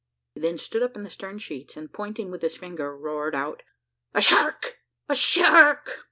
He then stood up in the stern sheets, and pointing with his finger, roared out, "A shark! a shark!"